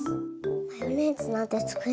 マヨネーズなんてつくれるの？